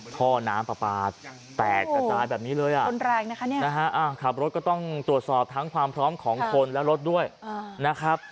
ท่อน้ำปลาแตกกระตายแบบนี้เลยอ่ะนะฮะขับรถก็ต้องตรวจสอบทั้งความพร้อมของคนและรถด้วยนะครับ